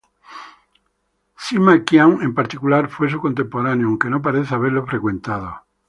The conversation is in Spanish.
Sima Qian, en particular, fue su contemporáneo, aunque no parece haberlo frecuentado.